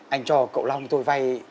anh cho cậu long tôi vay